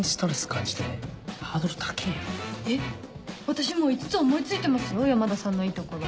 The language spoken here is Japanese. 私もう５つ思い付いてますよ山田さんのいいところ。